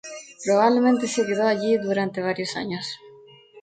Probablemente se quedó allí durante varios años.